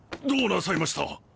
どうなさいました？